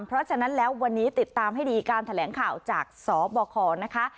เพราะฉะนั้นแล้ววันนี้ติดตามให้ดีการแถลงข่าวจากสบคนะคะ